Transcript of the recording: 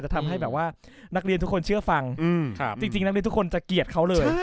ทำให้แบบว่านักเรียนทุกคนเชื่อฟังจริงนักเรียนทุกคนจะเกลียดเขาเลย